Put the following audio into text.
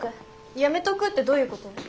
やめとくってどういうこと？